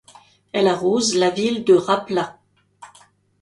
Elle arrose la ville de Rapla.